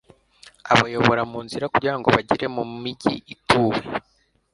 abayobora mu nzira kugira ngo bagere mu mugi utuwe